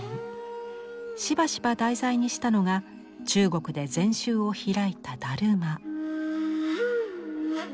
しばしば題材にしたのが中国で禅宗を開いた達磨。